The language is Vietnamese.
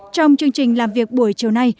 trong chương trình làm việc buổi chiều nay